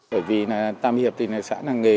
bởi vì là tam hiệp tình hệ sản làng nghề